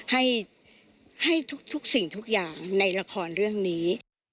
ให้ทุกสิ่งทุกอย่างในละครเรื่องนี้